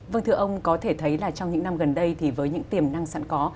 vâng thưa ông có thể thấy là trong những năm gần đây thì với những tiềm năng sẵn có